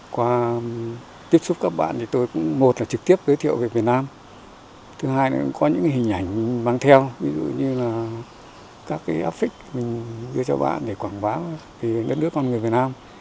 qua tiếp xúc các bạn tôi một là trực tiếp giới thiệu vẻ việt nam thứ hai có những hình ảnh quang theo như vụ các th cristo some da con người việt nam